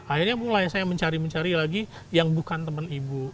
akhirnya mulai saya mencari mencari lagi yang bukan teman ibu